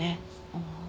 ああ。